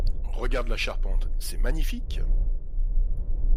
Regardes la charpente, c'est magnifique!